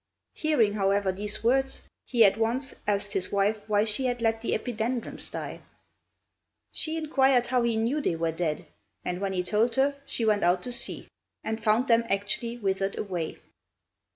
Hearing, however, these words, he at once asked his wife why she had let the epidendrums die. She inquired how he knew they were dead, and when he told her she went out to see, and found them actually withered away.